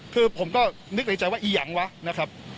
คือผมก็นึกในใจว่าอียังวะนะครับ